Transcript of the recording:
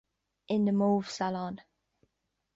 In the mauve salon.